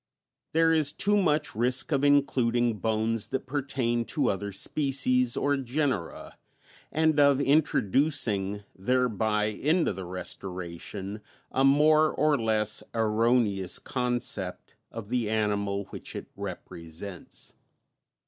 There is too much risk of including bones that pertain to other species or genera, and of introducing thereby into the restoration a more or less erroneous concept of the animal which it represents.